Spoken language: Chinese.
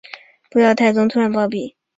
不料太宗突然暴毙。